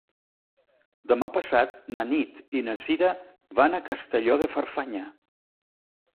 Demà passat na Nit i na Sira van a Castelló de Farfanya.